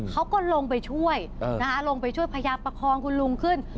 เขาก็ลงไปช่วยนะคะลงไปช่วยพยายามประคองคุณลุงขึ้น